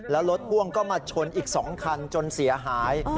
แล้วรถพ่วงก็มาชนอีก๒คันจนเสียหาย